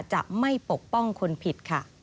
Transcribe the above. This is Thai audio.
จะไม่ปกป้องคนผิดค่ะ